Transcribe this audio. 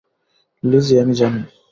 Lessee, আমি জানি।